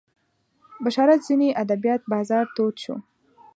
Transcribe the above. بشارت زیري ادبیات بازار تود شو